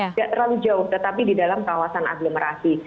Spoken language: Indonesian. tidak terlalu jauh tetapi di dalam kawasan aglomerasi